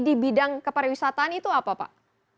di bidang kepariwisataan itu apa pak